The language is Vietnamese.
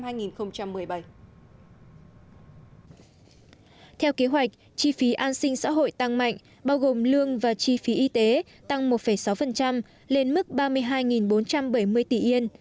theo kế hoạch chi phí an sinh xã hội tăng mạnh bao gồm lương và chi phí y tế tăng một sáu lên mức ba mươi hai bốn trăm bảy mươi tỷ yên